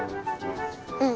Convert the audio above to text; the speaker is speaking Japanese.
うん。